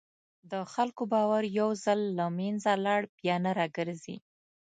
د خلکو باور یو ځل له منځه لاړ، بیا نه راګرځي.